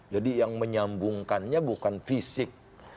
jadi yang menyambungkannya bukan fisik